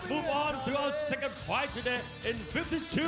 โปรดติดตามตอนต่อไป